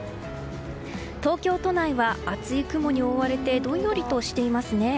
東京都内は厚い雲に覆われてどんよりとしていますね。